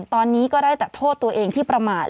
ตอนนี้ก็ได้แต่โทษตัวเองที่ประมาท